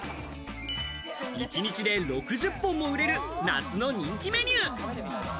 １日で６０本も売れる夏の人気メニュー。